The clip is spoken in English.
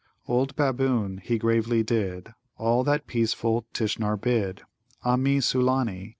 "Old Baboon, he gravely did All that peaceful Tishnar bid; Ah mi, Sulâni!